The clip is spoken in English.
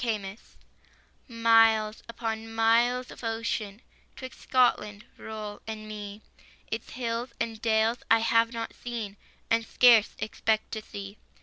TO SCOTLAND. Miles upon miles of ocean 'Twixt Scotland roll and me. Its hills and dales I have not seen, And scarce expect to see.